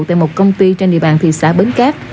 tại một công ty trên địa bàn thị xã bến cát